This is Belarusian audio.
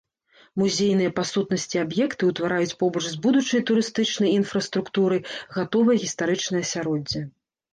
Музейныя па сутнасці аб'екты ўтвараюць побач з будучай турыстычнай інфраструктурай гатовае гістарычнае асяроддзе.